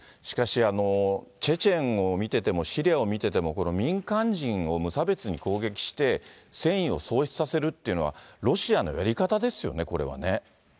しかし、チェチェンを見ててもシリアを見てても、民間人を無差別に攻撃して、戦意を喪失させるというのは、ロシアのやり方ですよね、これはね。